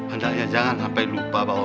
hendaknya jangan sampai lupa bahwa